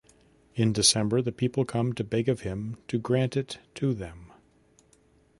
In December, the people come to beg of him to grant it to them.